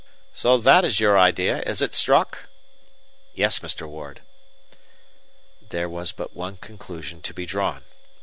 "So that is your idea, is it, Strock?" "Yes, Mr. Ward." There was but one conclusion to be drawn.